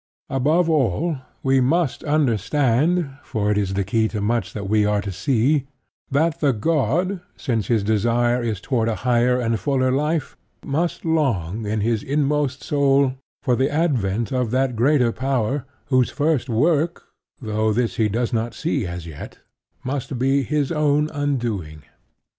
Above all, we must understand for it is the key to much that we are to see that the god, since his desire is toward a higher and fuller life, must long in his inmost soul for the advent of that greater power whose first work, though this he does not see as yet, must be his own undoing.